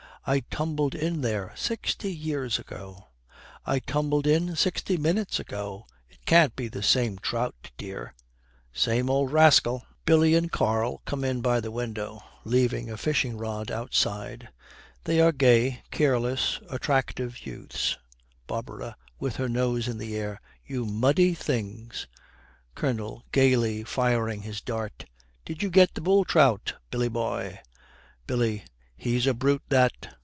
I tumbled in there sixty years ago.' 'I tumbled in sixty minutes ago! It can't be the same trout, dear.' 'Same old rascal!' Billy and Karl come in by the window, leaving a fishing rod outside. They are gay, careless, attractive youths. BARBARA, with her nose in the air, 'You muddy things!' COLONEL, gaily firing his dart, 'Did you get the bull trout, Billy boy?' BILLY. 'He's a brute that.'